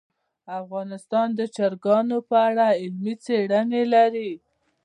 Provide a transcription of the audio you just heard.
افغانستان د چرګان په اړه علمي څېړنې لري.